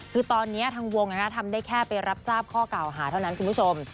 คือตอนนี้ทางวงทำได้แค่ไปรับทราบข้อเก่าหาเท่านั้นคุณผู้ชม